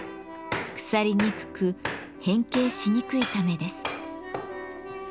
腐りにくく変形しにくいためです。